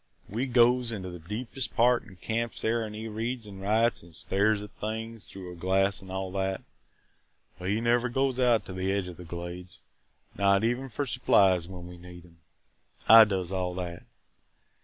"We goes into the deepest part an' camps there an' he reads an' writes an' stares at things through a glass an' all that, but he never goes out to the edge of the Glades, not even for supplies when we need 'em. I does all that.